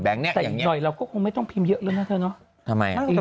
แต่อีกหน่อยเราก็คงไม่ต้องพิมพ์เยอะแล้วนะเธอเนาะ